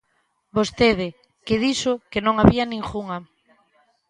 Vostede, que dixo que non había ningunha.